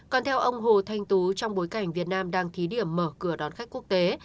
còn theo ông hồ thanh tú trong bối cảnh việt nam đang thí điểm mở cửa đón khách quốc tế